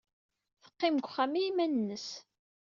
Teqqim deg wexxam i yiman-nnes.